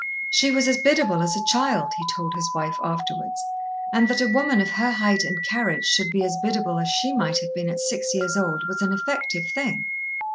She was as biddable as a child, he told his wife afterwards, and that a woman of her height and carriage should be as biddable as she might have been at six years old, was an effective thing.